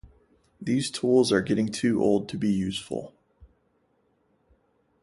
These tools are getting too old to be useful.